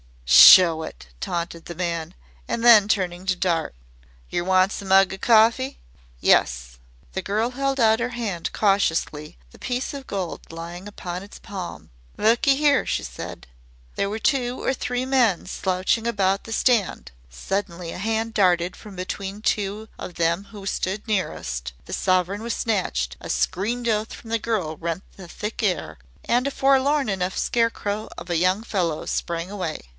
"Show it," taunted the man, and then turning to Dart. "Yer wants a mug o' cawfee?" "Yes." The girl held out her hand cautiously the piece of gold lying upon its palm. "Look 'ere," she said. There were two or three men slouching about the stand. Suddenly a hand darted from between two of them who stood nearest, the sovereign was snatched, a screamed oath from the girl rent the thick air, and a forlorn enough scarecrow of a young fellow sprang away.